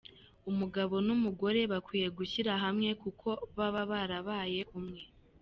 Umugabo n’umugore bakwiye gushyira hamwe kuko baba barabaye umwe.